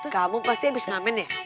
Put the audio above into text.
kamu pasti habis ngamen ya